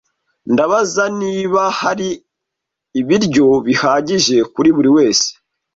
Ndabaza niba hari ibiryo bihagije kuri buri wese.